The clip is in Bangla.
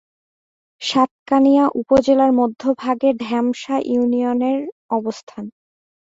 সাতকানিয়া উপজেলার মধ্যভাগে ঢেমশা ইউনিয়নের অবস্থান।